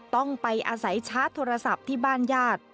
ต้องไปอาศัยชาร์จโทรศัพท์ที่บ้านญาติ